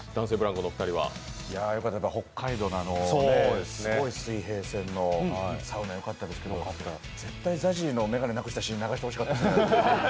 北海道のすごい水平線のサウナ、よかったですけど絶対、ＺＡＺＹの眼鏡なくしたシーン、流してほしかったですね。